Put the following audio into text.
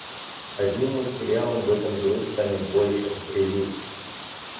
Одним мультсериалом в этом году станет больше, релиз